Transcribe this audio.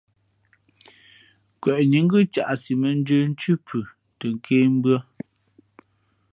Nkweʼnǐ ngʉ́ caʼsi mᾱndjə̄ nthʉ́ pʉ tαkēmbʉ̄ᾱ.